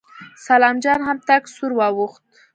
سلام جان هم تک سور واوښت.